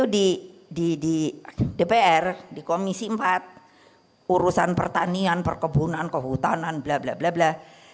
dpr di komisi empat urusan pertanian perkebunan kehutanan blablabla